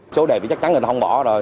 số đề chắc chắn người ta không bỏ rồi